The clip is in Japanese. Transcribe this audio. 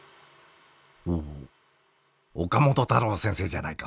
おお岡本太郎先生じゃないか。